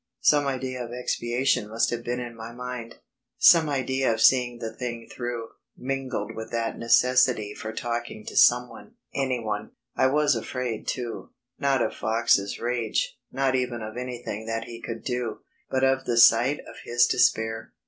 Some idea of expiation must have been in my mind; some idea of seeing the thing through, mingled with that necessity for talking to someone anyone. I was afraid too; not of Fox's rage; not even of anything that he could do but of the sight of his despair.